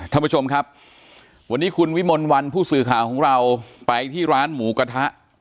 ท่านผู้ชมครับวันนี้คุณวิมลวันผู้สื่อข่าวของเราไปที่ร้านหมูกระทะ